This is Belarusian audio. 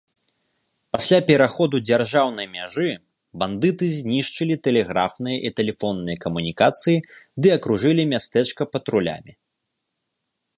Пасля пераходу дзяржаўнай мяжы, бандыты знішчылі тэлеграфныя і тэлефонныя камунікацыі ды акружылі мястэчка патрулямі.